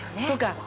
そうか！